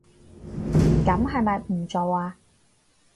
噉係咪唔做吖